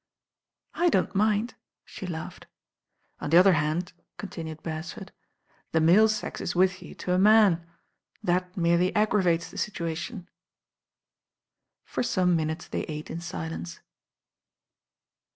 '•I don't mind," she laughed. "On the other hand," continued Beresford, "the male sex is with you to a man. That merely ag gravates the situation." For some liiinutes they ate in silence.